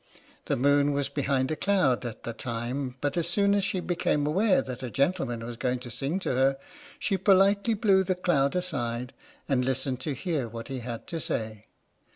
The moon was behind a cloud at the time but as soon as she became aware that a gentleman was going to sing to her, she politely blew the cloud aside and listened to hear what he had to say.